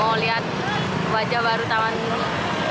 mau lihat wajah baru taman ini